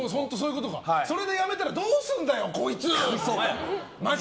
それでやめたらどうするんだよ、こいつ！